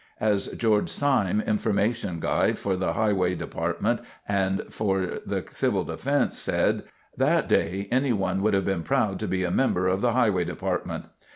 As George Sime, information guy for the Highway Department and for CD, said, "That day anyone would have been proud to be a member of the Highway Department."